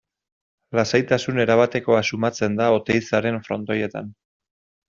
Lasaitasun erabatekoa sumatzen da Oteizaren Frontoietan.